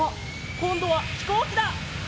こんどはひこうきだ！